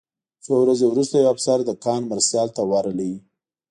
څو ورځې وروسته یو افسر د کان مرستیال ته ورغی